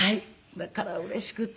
だからうれしくって。